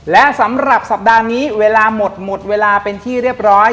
และสำหรับสัปดาห์นี้เวลาหมดหมดเวลาเป็นที่เรียบร้อย